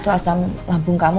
itu asam lambung kamu